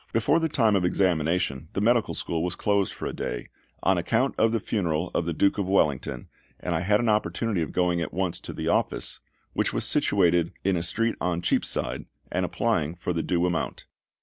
Before the time of examination the medical school was closed for a day, on account of the funeral of the Duke of Wellington, and I had an opportunity of going at once to the office, which was situated in a street on Cheapside, and applying for the due amount.